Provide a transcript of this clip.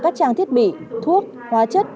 các trang thiết bị thuốc hóa chất